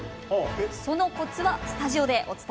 そのコツはスタジオで。